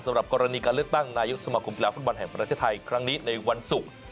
สำหรับกรณีการเลือกตั้งนายกสมาคมกีฬาฟุตบอลแห่งประเทศไทยครั้งนี้ในวันศุกร์